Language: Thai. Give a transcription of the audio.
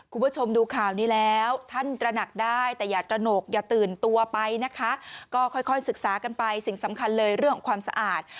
คุณผู้ชมดูข่าวนี้แล้วท่านตระหนักได้แต่อย่าตระหนกอย่าตื่นตัวไปนะคะก็ค่อยค่อยศึกษากันไปสิ่งสำคัญเลยเรื่องของความสะอาด